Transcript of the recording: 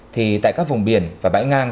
thì tại các vùng biển và bãi ngang